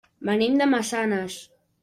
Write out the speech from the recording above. Venim de Massanes.